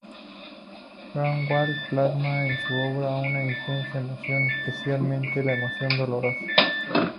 Grünewald plasma en su obra una "intensa emoción, especialmente la emoción dolorosa".